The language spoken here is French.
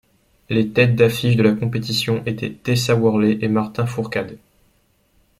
Les têtes d'affiches de la compétition étaient Tessa Worley et Martin Fourcade.